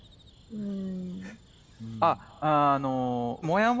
うん。